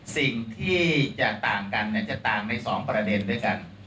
สิ่งที่จะต่างกันจะต่างใน๒ประเด็นด้วยกัน